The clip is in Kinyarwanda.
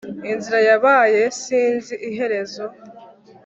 Inzira yabaye sinzi iherezo